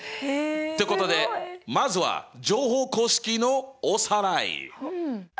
ってことでまずは乗法公式のおさらい！